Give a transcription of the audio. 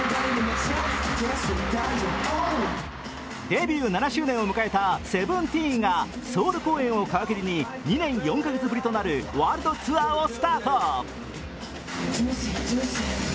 デビュー７周年を迎えたＳＥＶＥＮＴＥＥＮがソウル公演を皮切りに２年４カ月ぶりとなるワールドツアーをスタート。